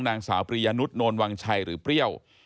นางสาวปริยนุษย์โนนวังชัยหรือเปรี้ยว